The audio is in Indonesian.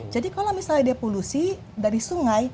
jadi kalau misalnya dia polusi dari sungai